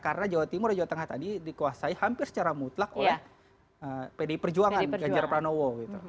karena jawa timur dan jawa tengah tadi dikuasai hampir secara mutlak oleh pdi perjuangan ganjar pranowo gitu